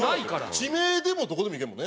地名でもどこでもいけるもんね。